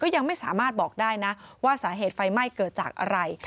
ยังไม่สามารถบอกได้นะว่าสาเหตุไฟไหม้เกิดจากอะไร